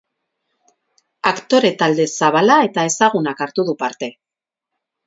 Aktore talde zabala eta ezagunak hartu du parte.